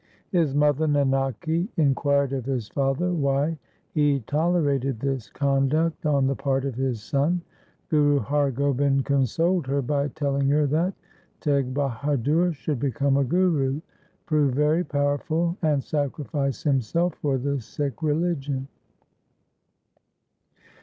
His mother Nanaki in quired of his father why he tolerated this conduct on the part of his son. Guru Har Gobind consoled her by telling her that Teg Bahadur should become a Guru, prove very powerful, and sacrifice himself for the Sikh religion.